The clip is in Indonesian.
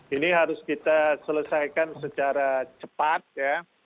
ini harus kita selesaikan secara cepat ya